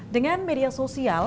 dengan media sosial